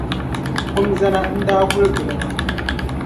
Kum zana n-daa kul gili ma .